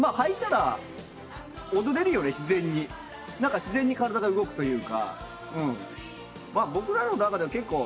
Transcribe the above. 自然に体が動くというか。